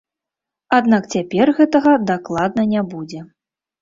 Аднак цяпер гэтага дакладна не будзе.